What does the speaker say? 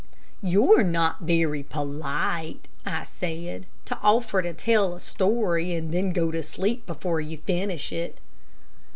"You're not very polite," I said, "to offer to tell a story, and then go to sleep before you finish it."